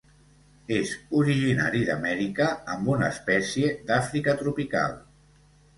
És originari d'Amèrica amb una espècie d'Àfrica tropical.